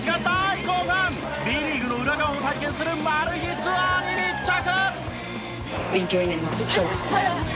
Ｂリーグの裏側を体験するマル秘ツアーに密着！